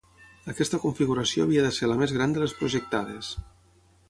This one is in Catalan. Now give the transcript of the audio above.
Aquesta configuració havia de ser la més gran de les projectades.